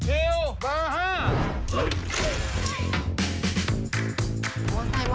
จีลมาฮะ